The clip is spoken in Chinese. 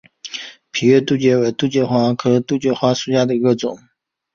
皋月杜鹃为杜鹃花科杜鹃花属下的一个种。